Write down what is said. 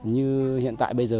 như hiện tại bây giờ